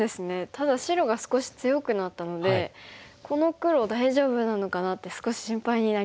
ただ白が少し強くなったのでこの黒大丈夫なのかなって少し心配になりますよね。